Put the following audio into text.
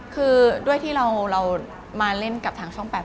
คือด้วยที่เรามาเล่นกับทางช่อง๘